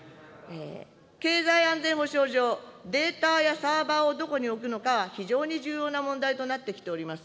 経済安全保障上、データやサーバーをどこに置くのかは非常に重要な問題となってきております。